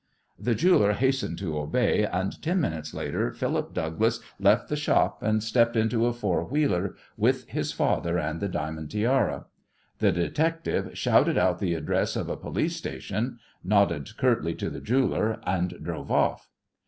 The jeweller hastened to obey, and ten minutes later Philip Douglas left the shop and stepped into a four wheeler with his father and the diamond tiara. The "detective" shouted out the address of a police station, nodded curtly to the jeweller, and drove off.